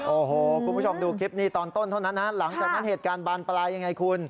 โอ้โหคุณผู้ชมดูคลิปนี้ตอนต้นเท่านั้นนะหลังจากนั้นเหตุการณ์บานปลายยังไงคุณ